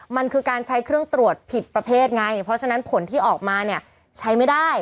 มันคือการใช้เครื่องตรวจผิดประเภทไงเพราะฉะนั้นผลที่ออกมาเนี่ยใช้ไม่ได้